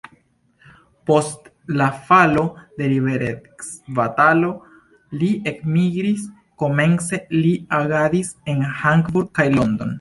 Post la falo de liberecbatalo li elmigris, komence li agadis en Hamburg kaj London.